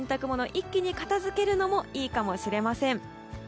一気に片付けるのもいいかもしれません。